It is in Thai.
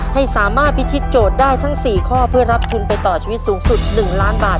ให้สามารถพิธีโจทย์ได้ทั้ง๔ข้อเพื่อรับทุนไปต่อชีวิตสูงสุด๑ล้านบาท